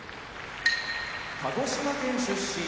鹿児島県出身